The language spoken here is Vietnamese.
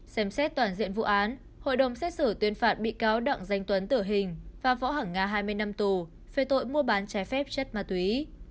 xem xét toàn diện vụ án hội đồng xét xử tuyên phạt bị cáo đặng danh tuấn tử hình và võ hẳn nga hai mươi năm tù về tội mua bán trái phép chất ma túy